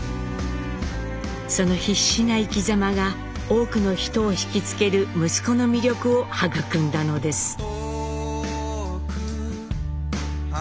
その必死な生きざまが多くの人を引き付ける息子の魅力を育んだのです。